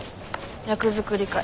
役作り会。